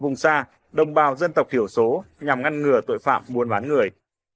vùng xa đồng bào dân tộc thiểu số nhằm ngăn ngừa tội phạm buôn bán người